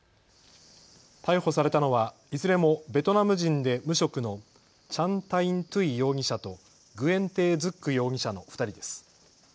逮捕されたのはいずれもベトナム人で無職のチャン・タイン・トゥイ容疑者とグエン・テー・ズック容疑者の２人です。